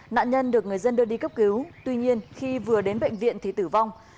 nạn nhân được người dân đưa đi cấp cứu tuy nhiên khi vừa đến bệnh viện thì tử vong